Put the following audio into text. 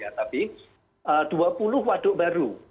dua puluh ya tapi dua puluh waduk baru